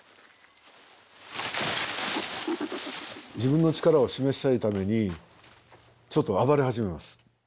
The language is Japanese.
自分の力を示したいためにちょっと暴れ始めます。